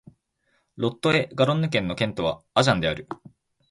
ロット＝エ＝ガロンヌ県の県都はアジャンである